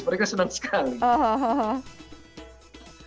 mereka senang sekali